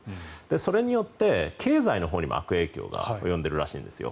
それによって経済のほうにも悪影響が及んでるらしいんですよ。